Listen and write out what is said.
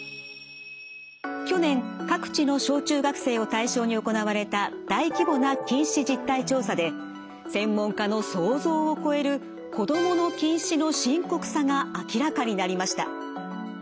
去年各地の小中学生を対象に行われた大規模な近視実態調査で専門家の想像を超える子どもの近視の深刻さが明らかになりました。